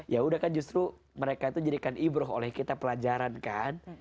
ya udah kan justru mereka itu jadikan ibroh oleh kita pelajaran kan